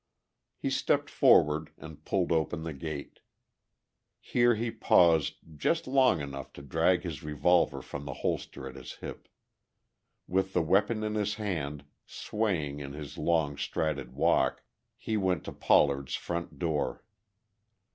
He stepped forward and pulled open the gate. Here he paused just long enough to drag his revolver from the holster at his hip. With the weapon in his hand, swaying in his long strided walk, he went to Pollard's front door.